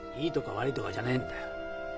いいとか悪いとかじゃねえんだよ。